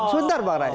sebentar bang ray